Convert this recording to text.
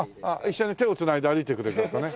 一緒に手を繋いで歩いてくれる方ね。